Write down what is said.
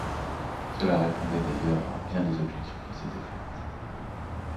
Cela répondait, d’ailleurs, à bien des objections qu’il s’était faites.